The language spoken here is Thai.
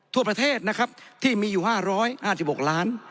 ทั่วประเทศนะครับที่มีอยู่๕๕๖ล้าน